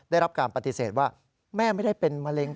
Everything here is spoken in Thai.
ได้รับการปฏิเสธว่าแม่ไม่ได้เป็นมะเร็ง